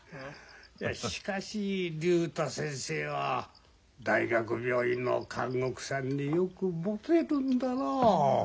いやしかし竜太先生は大学病院の看護婦さんによくもてるんだなあ。